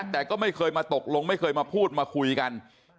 แต่ก็ไม่เคยมาตกลงไม่เคยมาพูดมาคุยกัน